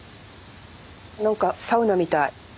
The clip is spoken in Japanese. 何かサウナみたい。